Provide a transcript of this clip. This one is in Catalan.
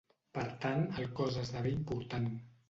Per tant, el cos esdevé important.